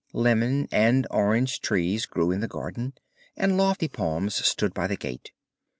Lemon and orange trees grew in the garden, and lofty palms stood by the gate.